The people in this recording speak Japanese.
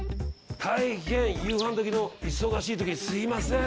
大変夕飯どきの忙しい時にすいません。